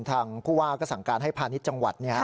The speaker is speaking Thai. ทางผู้ว่าก็สั่งการให้พาณิชย์จังหวัด